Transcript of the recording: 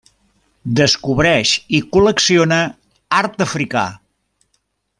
Descobreix i col·lecciona art africà.